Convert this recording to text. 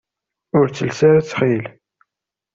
Ur ttelles ara ttxil.